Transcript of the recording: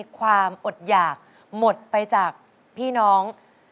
ความอดหยากหมดไปจากพี่น้อง